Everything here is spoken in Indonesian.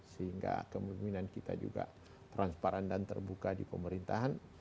sehingga kemungkinan kita juga transparan dan terbuka di pemerintahan